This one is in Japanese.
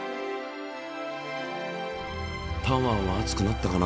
タワーは熱くなったかな？